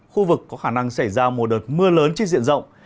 khu vực có khả năng xảy ra một đợt mưa lớn trên diện rộng